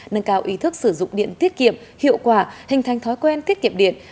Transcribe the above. nâng cao ý thức sử dụng điện tiết kiệm hiệu quả hình thành thói quen tiết kiệm điện